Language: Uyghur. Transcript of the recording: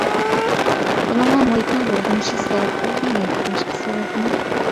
بۇنىڭغا مۇھىتنىڭ بۇلغىنىشى سەۋەب بولدىمۇ ياكى باشقا سەۋەبمۇ؟